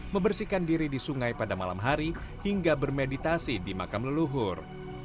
membersihkan diri di sungai pada malam hari hingga bermeditasi di makam leluhur